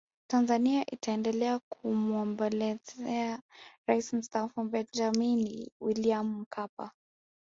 tanzania itaendelea kumwombolezea rais mstaafu benjamin william mkapa